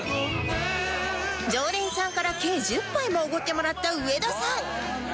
常連さんから計１０杯もおごってもらった上田さん